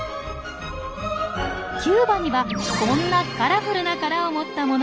キューバにはこんなカラフルな殻を持ったものも生息しています。